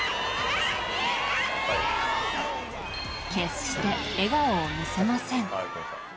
決して笑顔を見せません。